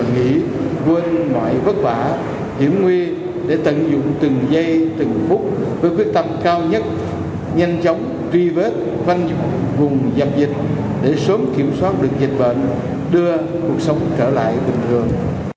chờ nghỉ quên mọi vất vả hiểm nguyên để tận dụng từng giây từng phút với quyết tâm cao nhất nhanh chóng tri vết văn dụng vùng dập dịch để sớm kiểm soát được dịch bệnh đưa cuộc sống trở lại bình thường